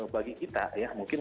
bagi kita ya mungkin